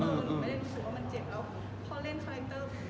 หนูไม่ได้รู้สึกว่ามันเจ็บแล้วพอเล่นคาแรคเตอร์